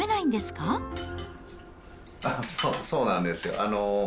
そうなんですよ。